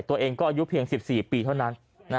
ตัวเองก็อายุเพียง๑๔ปีเท่านั้น